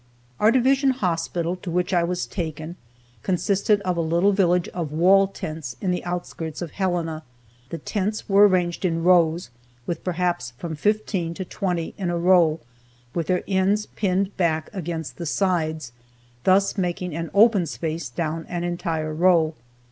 Our Division Hospital, to which I was taken, consisted of a little village of wall tents in the outskirts of Helena. The tents were arranged in rows, with perhaps from fifteen to twenty in a row, with their ends pinned back against the sides, thus making an open space down an entire row.